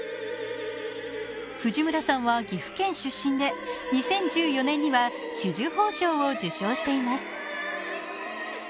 藤村さんは岐阜県出身で２０１４年には紫綬褒章を受章しています。